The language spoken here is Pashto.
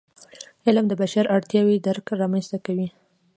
علم د بشري اړتیاوو درک رامنځته کوي.